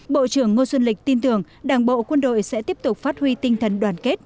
bộ trưởng ngô xuân lịch tin tưởng đảng bộ quân đội sẽ tiếp tục phát huy tinh thần đoàn kết